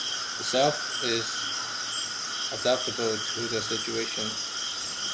The self is adaptable to the situation.